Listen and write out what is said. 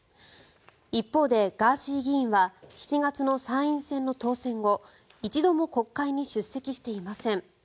一方でガーシー議員は７月の参議院選挙の当選後一度も国会に出席していません。